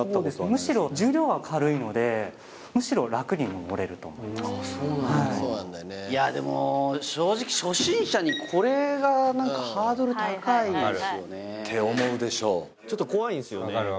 むしろ重量が軽いのでむしろ楽にのぼれるとそうなんだいやでも正直初心者にこれが何かハードル高いんですよねって思うでしょちょっと怖いんですよね